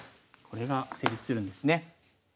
これが成立するんですね。